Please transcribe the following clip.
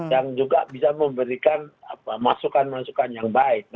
yang juga bisa memberikan masukan masukan yang baik